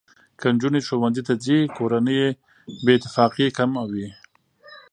که نجونې ښوونځي ته ځي، کورنۍ بې اتفاقي کمه وي.